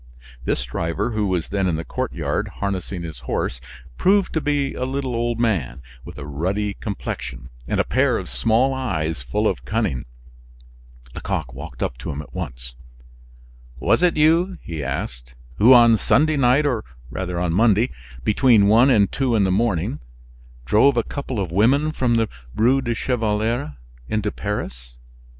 This driver, who was then in the courtyard harnessing his horse, proved to be a little old man, with a ruddy complexion, and a pair of small eyes full of cunning. Lecoq walked up to him at once. "Was it you," he asked, "who, on Sunday night or rather on Monday, between one and two in the morning, drove a couple of women from the Rue du Chevaleret into Paris?"